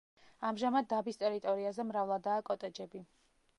ამჟამად დაბის ტერიტორიაზე მრავლადაა კოტეჯები.